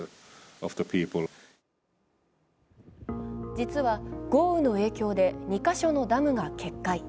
実は、豪雨の影響で２カ所のダムが決壊。